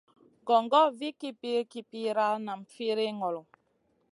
Gongor vih kipir-kipira, nam firiy ŋolo.